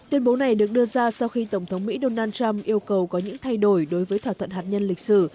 tuyên bố này được đưa ra sau khi tổng thống mỹ donald trump yêu cầu có những thay đổi đối với thỏa thuận hạt nhân lịch sử